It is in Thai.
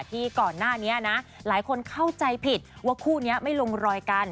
ที่ก่อนหน้านี้นะหลายคนเข้าใจผิดว่าคู่นี้ไม่ลงรอยกัน